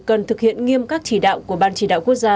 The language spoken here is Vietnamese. cần thực hiện nghiêm các chỉ đạo của ban chỉ đạo quốc gia